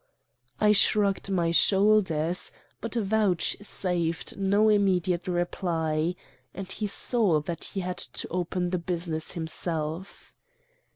"I shrugged my shoulders, but vouchsafed no immediate reply, and he saw that he had to open the business himself.